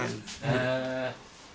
へえ。